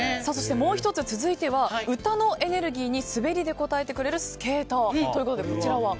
もう１つ、歌のエネルギーに滑りで応えてくれるスケーターということでこちらは？